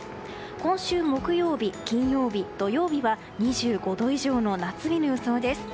今週木曜日、金曜日、土曜日は２５度以上の夏日の予想です。